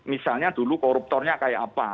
misalnya dulu koruptornya kayak apa